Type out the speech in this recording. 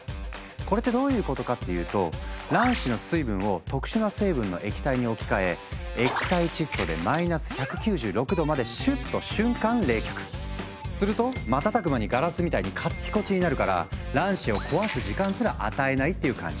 これってどういうことかっていうと卵子の水分を特殊な成分の液体に置き換えすると瞬く間にガラスみたいにカッチコチになるから卵子を壊す時間すら与えないっていう感じ。